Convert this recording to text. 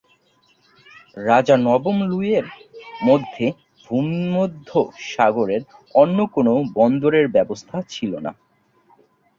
রাজা নবম লুইয়ের জন্য ভূমধ্যসাগরে অন্য কোন বন্দরের ব্যবস্থা ছিল না।